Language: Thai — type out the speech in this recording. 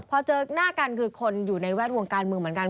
พอเจอหน้ากันคือคนอยู่ในแวดวงการเมืองเหมือนกัน